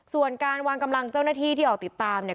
ส่วนการวางกำลังเจ้าหน้าที่ที่ออกติดตามเนี่ย